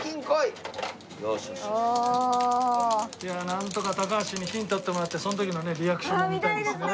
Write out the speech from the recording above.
なんとか高橋に金取ってもらってその時のねリアクションも見たいですね。